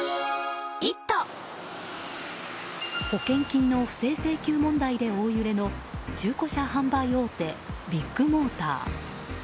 保険金の不正請求問題で大揺れの中古車販売大手ビッグモーター。